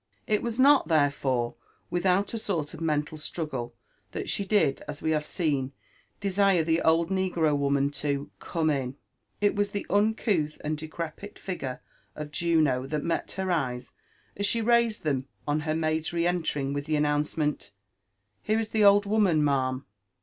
It was not, therefore, without a sort of mental struggle that she did, as we have seen, desire the old negro woman to *' come in." It was the uncouth and decrepit figure of Juno that met her eyes as she raised them on her maid's re entering with the announcement —>^' Here is the old woman, ma'am."